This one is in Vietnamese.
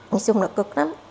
nói chung là cực lắm